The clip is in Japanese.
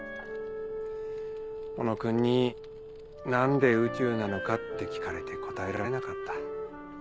小野君に「何で宇宙なのか」って聞かれて答えられなかった。